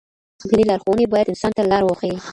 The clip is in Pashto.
دیني لارښوونې باید انسان ته لار وښيي.